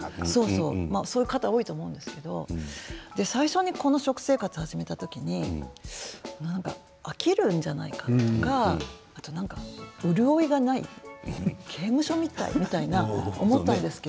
そういう方も多いと思うんですけどこの食生活を始めた時に飽きるんじゃないかとか潤いがない、刑務所みたいって思ったんですけど。